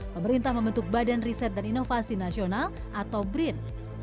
pemerintah membentuk badan riset dan inovasi nasional atau brin